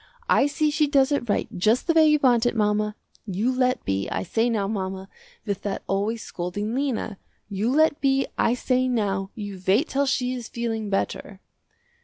I see she does it right just the way you want it mama. You let be, I say now mama, with that always scolding Lena. You let be, I say now, you wait till she is feeling better."